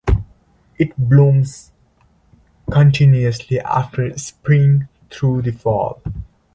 It blooms continually from spring through fall.